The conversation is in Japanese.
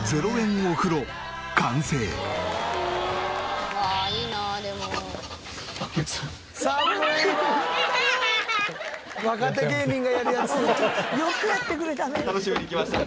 よくやってくれたね。